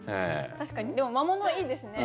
確かにでも魔物いいですね。